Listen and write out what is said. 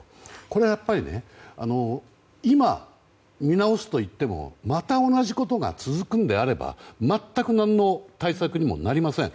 これはやっぱり今、見直すといってもまた同じことが続くのであれば全く何の対策にもなりません。